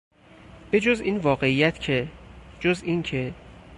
به جز این واقعیت که...، جز این که...